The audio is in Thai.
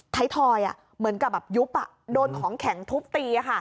ทอยเหมือนกับแบบยุบโดนของแข็งทุบตี